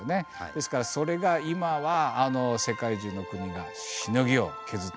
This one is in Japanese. ですからそれが今は世界中の国がしのぎを削っている。